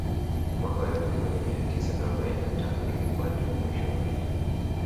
Mwaka wa elfu moj mia tisa arobaini na tano ilikuwa ndio mwisho wa vita